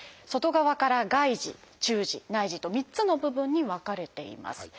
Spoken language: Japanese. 外側から「外耳」「中耳」「内耳」と３つの部分に分かれています。